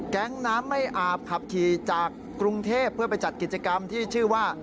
แก๊งน้ำไม่อาบขับขี่จากกรุงเทพเพื่อไปจัดกิจกรรมที่ชื่อว่า